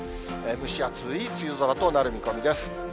蒸し暑い梅雨空となる見込みです。